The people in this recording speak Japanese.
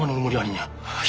はい。